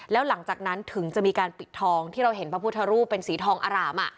แล้วหลังจากนั้นถึงจะมีการปิดทองที่เราเห็นพระพุทธรูปเป็นสีทองอร่าม